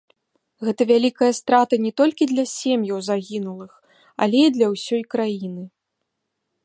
Гэта вялікая страта не толькі для сем'яў загінулых, але і для ўсёй краіны.